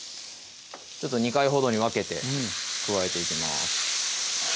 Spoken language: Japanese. ちょっと２回ほどに分けて加えていきます